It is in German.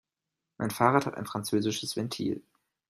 Mein Fahrrad hat aber ein französisches Ventil.